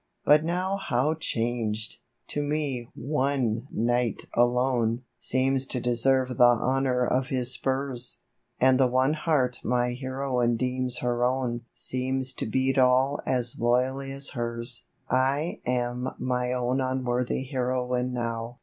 But now how changed ! To me o?ie knight alone Seems to deserve the honour of his spurs ; And the one heart my heroine deems her own Seems to beat all as loyally as hers !/ am my own unworthy heroine now.